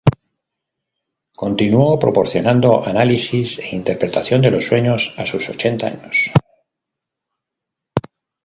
Continuó proporcionando análisis e interpretación de los sueños a sus ochenta años.